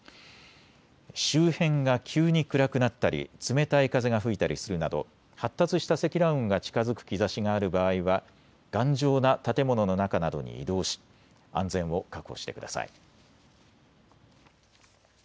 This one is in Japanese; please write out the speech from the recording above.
周辺が急に暗くなったり冷たい風が吹いたりするなど発達した積乱雲が近づく兆しがある場合は頑丈な建物の中などに移動し安全を確保してください。